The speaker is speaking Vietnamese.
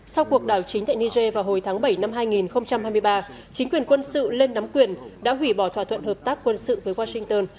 sau cuộc đảo chính tại niger vào hồi tháng bảy năm hai nghìn hai mươi ba chính quyền quân sự lên nắm quyền đã hủy bỏ thỏa thuận hợp tác quân sự với washington